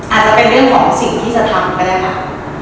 อาจจะเป็นเรื่องของสิ่งที่จะทำก็ได้ค่ะ